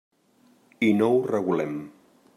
I no ho regulem.